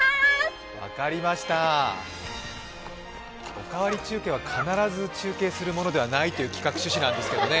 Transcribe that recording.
「おかわり中継」は必ず中継するものではないという企画趣旨なんですけどね。